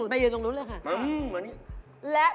ไปยืนตรงนู้นเลยค่ะ